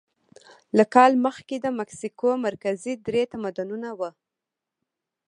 له کال مخکې د مکسیکو مرکزي درې تمدنونه وو.